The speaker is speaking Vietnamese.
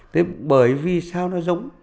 thế bởi vì sao nó giống